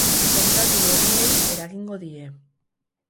Kontratu berriei eragingo die.